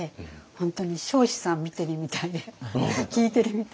本当に彰子さん見てるみたいで聞いてるみたいで。